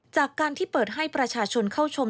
จากการที่เปิดให้ประชาชนเข้าชม